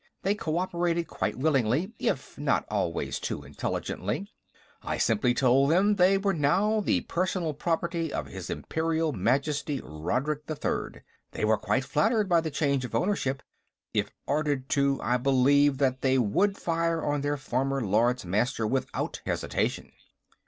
They cooperated quite willingly, if not always too intelligently. I simply told them that they were now the personal property of his Imperial Majesty, Rodrik III. They were quite flattered by the change of ownership. If ordered to, I believe that they would fire on their former Lords Master without hesitation."